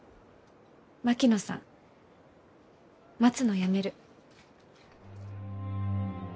槙野さん待つのやめる。